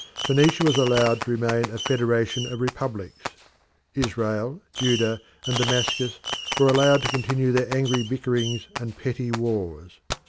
Phoenicia was allowed to remain a federation of republics. Israel, Judah, and Damascus were allowed to continue their angry bickerings and petty wars.